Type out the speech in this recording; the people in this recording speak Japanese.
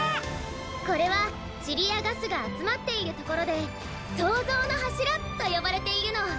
これはチリやガスがあつまっているところで「そうぞうのはしら」とよばれているの。